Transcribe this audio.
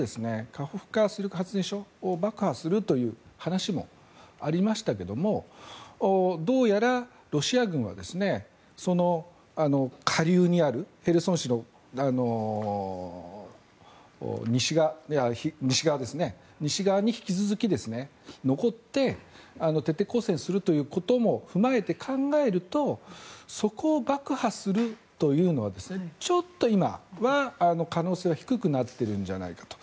カホフカ水力発電所を爆破するという話もありましたけどもどうやら、ロシア軍はその下流にあるヘルソン市の西側に引き続き残って徹底抗戦するということも踏まえて考えるとそこを爆破するというのはちょっと今は可能性は低くなっているんじゃないかと。